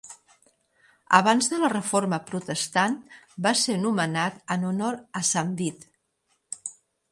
Abans de la Reforma Protestant va ser nomenat en honor a Sant Vit.